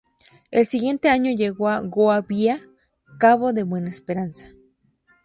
El siguiente año llegó a Goa vía Cabo de Buena Esperanza.